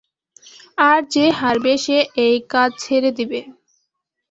আর যে হারবে, সে এই কাজ ছেড়ে দিবে।